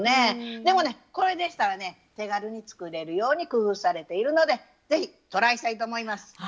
でもねこれでしたらね手軽に作れるように工夫されているので是非トライしたいと思います。